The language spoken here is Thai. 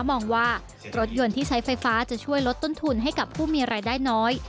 มองว่ารถยนต์ที่ใช้ไฟฟ้าจะช่วยลดต้นทุนให้กับผู้มีรายได้น้อย